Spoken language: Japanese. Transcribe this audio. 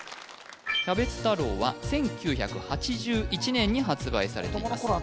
キャベツ太郎は１９８１年に発売されています